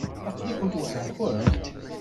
Aql-ikent weḥd-nkent?